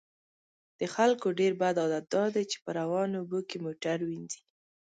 د خلکو ډیر بد عادت دا دی چې په روانو اوبو کې موټر وینځي